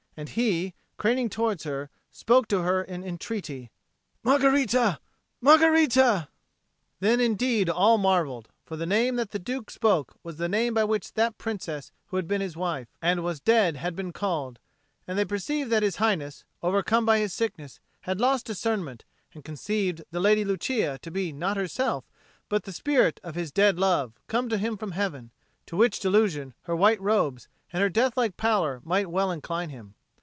And he, craning towards her, spoke to her in entreaty, "Margherita, Margherita!" Then indeed all marvelled; for the name that the Duke spoke was the name by which that Princess who had been his wife and was dead had been called; and they perceived that His Highness, overcome by his sickness, had lost discernment, and conceived the Lady Lucia to be not herself but the spirit of his dead love come to him from heaven, to which delusion her white robes and her death like pallor might well incline him.